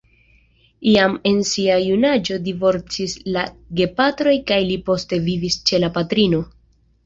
Jam en sia junaĝo divorcis la gepatroj kaj li poste vivis ĉe la patrino.